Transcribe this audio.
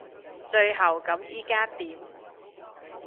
最後咁依家點？